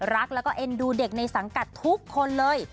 รักแล้วก็เอ็นดูเด็กในสังกัดทุกคนเลย